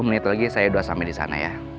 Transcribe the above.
dua puluh menit lagi saya udah sampe disana ya